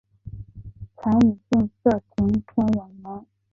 前女性色情片演员。